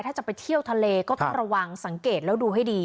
ถ้าจะไปเที่ยวทะเลก็ต้องระวังสังเกตแล้วดูให้ดี